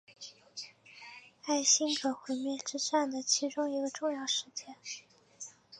艾辛格毁灭之战的其中一个重要事件。